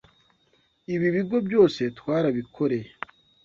Ibi bigo byose twarabikoreye